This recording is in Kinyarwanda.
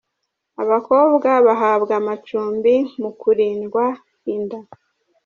Abakobwa bahabwa amacumbi mu kurindwa inda.